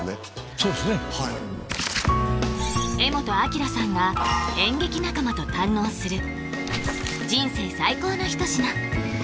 そうですね柄本明さんが演劇仲間と堪能する人生最高の一品